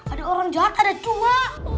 ada orang jahat ada cua